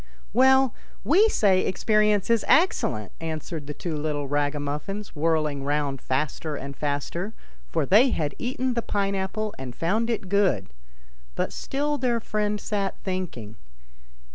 " Well, we say experience is excellent," answered the two little ragamuffins, whirling round faster and faster ; for they had eaten the pine apple and found it good. But still their friend sat thinking.